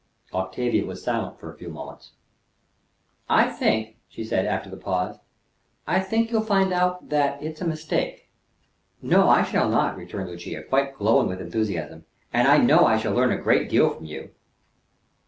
Octavia was silent for a few moments. "I think," she said after the pause, "I think you'll find out that it's a mistake." "No, I shall not," returned Lucia, quite glowing with enthusiasm. "And I know I shall learn a great deal from you."